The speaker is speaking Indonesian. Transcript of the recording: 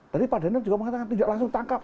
tadi pak daniel juga mengatakan tidak langsung tangkap